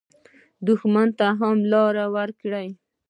دښمن ته هم لار ورکړئ